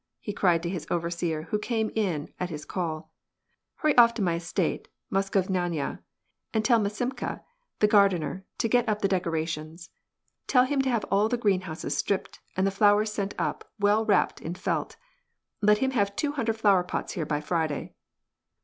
he cried to ^is overseer, who came in at his call, "Hurry off to my estate yod'Moskovnaya^* and tell Maksimka, the gardener, to get up ■he decorations. Tell him to have all the greenhouses stripped, md the flowers sent up, well wrapped in felt. Let him have wo hundred flower pots here by Friday.